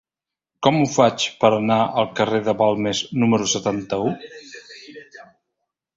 Com ho faig per anar al carrer de Balmes número setanta-u?